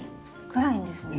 暗いんですね。